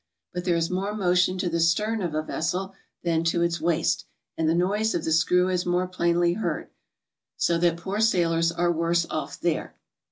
But there is more motion to the stern of a vessel than to its waist, and the noise of the screw is more plainly heard, so that poor sailors are worse off there.